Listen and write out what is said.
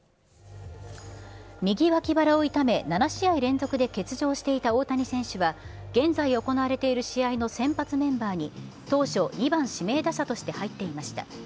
右脇腹を痛め、７試合連続で欠場していた大谷選手は、現在行われている試合の先発メンバーに、当初、２番指名打者として入っていました。